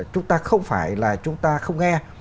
chúng ta không phải là chúng ta không nghe